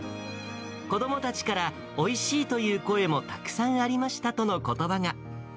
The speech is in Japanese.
子どもたちから、おいしいという声もたくさんありましたとのことばが。